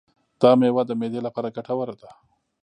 دا مېوه د معدې لپاره ګټوره ده.